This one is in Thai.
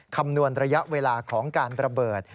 คำนวณระยะเวลาของการระเบิด